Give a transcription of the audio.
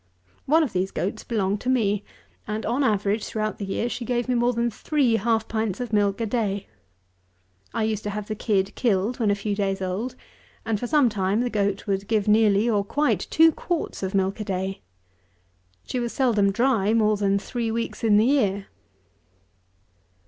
One of these goats belonged to me, and, on an average throughout the year, she gave me more than three half pints of milk a day. I used to have the kid killed when a few days old; and, for some time, the goat would give nearly or quite, two quarts of milk a day. She was seldom dry more than three weeks in the year.